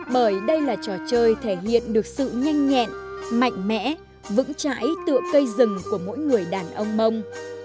bởi đây là trò chơi thể hiện được sự nhanh nhẹn mạnh mẽ vững chãi tựa cây rừng của mỗi người đàn ông mông